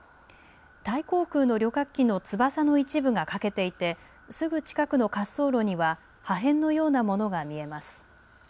タイ航空の旅客機の翼の一部が欠けていてすぐ近くの滑走路には破片のようなものが見えます。